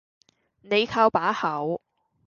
你靠把口